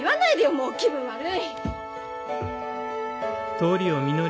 もう気分悪い。